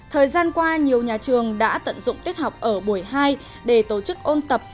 thời gian qua nhiều nhà trường đã tận dụng tiết học ở buổi hai để tổ chức ôn tập